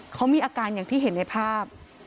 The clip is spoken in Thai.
เขามีอาการอย่างที่เห็นในภาพ